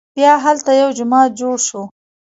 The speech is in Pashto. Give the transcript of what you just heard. بیا هلته یو جومات جوړ شو.